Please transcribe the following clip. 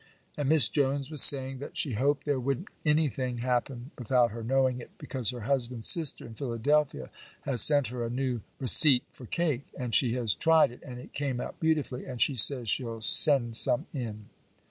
And Miss Jones was saying that she hoped there wouldn't anything happen without her knowing it, because her husband's sister in Philadelphia has sent her a new receipt for cake, and she has tried it and it came out beautifully, and she says she'll send some in.